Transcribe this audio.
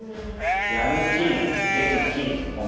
やる気元気本気。